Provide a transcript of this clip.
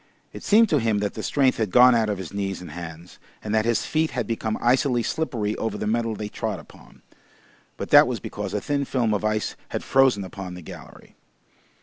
It seemed to him that the strength had gone out of his knees and hands, and that his feet had become icily slippery over the metal they trod upon. But that was because a thin film of ice had frozen upon the gallery.